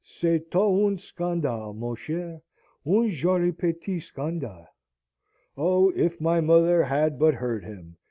C'etoit un scandale, mon cher, un joli petit scandale!" Oh, if my mother had but heard him!